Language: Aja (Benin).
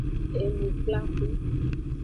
Enukplaxu.